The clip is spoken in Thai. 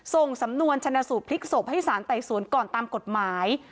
ส่งสำนวนชนะสูตรพลิกศพให้สารไต่สวนก่อนตามกฎหมาย